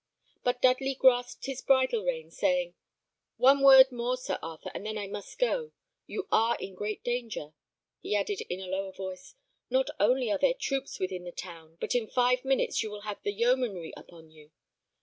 But Dudley grasped his bridle rein, saying, "One word more, Sir Arthur, and then I must go. You are in great danger," he added, in a lower voice. "Not only are there troops within the town, but in five minutes you will have the yeomanry upon you.